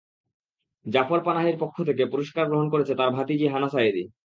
জাফর পানাহির পক্ষ থেকে পুরস্কার গ্রহণ করেছে তাঁর ভাতিজি হানা সায়েদি।